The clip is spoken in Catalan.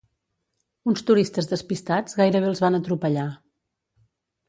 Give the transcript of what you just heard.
Uns turistes despistats gairebé els van atropellar.